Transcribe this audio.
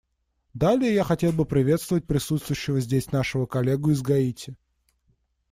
Далее, я хотел бы приветствовать присутствующего здесь нашего коллегу из Гаити.